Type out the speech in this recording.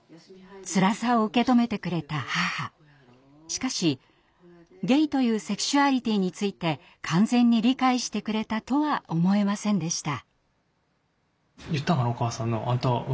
しかしゲイというセクシュアリティーについて完全に理解してくれたとは思えませんでした。